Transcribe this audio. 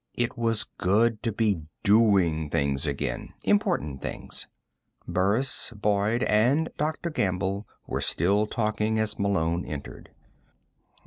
It was good to be doing things again, important things. Burris, Boyd and Dr. Gamble were still talking as Malone entered.